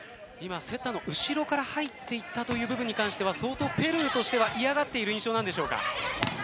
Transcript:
セッターの後ろから入っていったという部分に関してお相当、ペルーとしたら嫌がっている印象なんでしょうか。